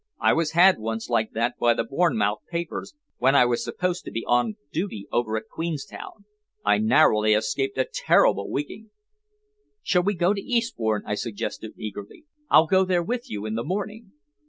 I was had once like that by the Bournemouth papers, when I was supposed to be on duty over at Queenstown. I narrowly escaped a terrible wigging." "Shall we go to Eastbourne?" I suggested eagerly. "I'll go there with you in the morning."